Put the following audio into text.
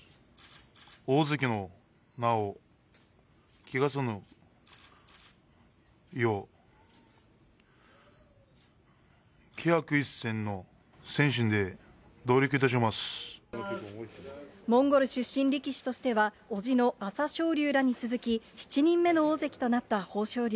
大関の名を汚さぬよう、モンゴル出身力士としては、叔父の朝青龍らに続き、７人目の大関となった豊昇龍。